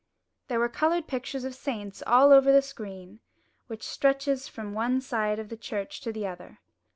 There were coloured pictures of saints all over the screen, which stretches from one side of the church to the other.